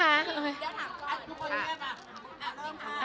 เอาแบบเข้าไป